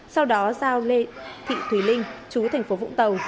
sau đó giao lê thị thùy linh chú tp vũng tàu